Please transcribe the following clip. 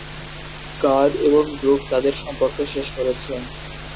গান এবং ব্রুক তাদের সম্পর্ক শেষ করেছে।